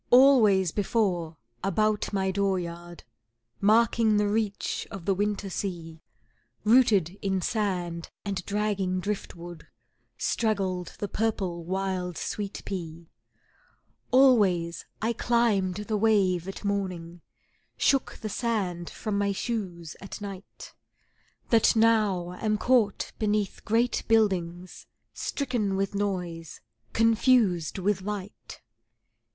Always before about my dooryard, Marking the reach of the winter sea, Rooted in sand and dragging drift wood, Straggled the purple wild sweet pea; Always I climbed the wave at morning, Shook the sand from my shoes at night, That now am caught beneath great buildings, Stricken with noise, confused with light.